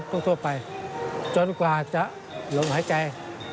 ทั่วไปจนกว่าจะลมหายใจ